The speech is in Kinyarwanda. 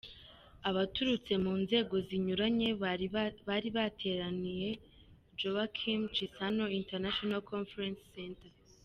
Abaturutse mu nzego zinyuranye bari bateraniye Joaquim Chissano International Conference Center .